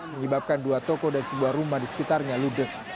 menyebabkan dua toko dan sebuah rumah di sekitarnya ludes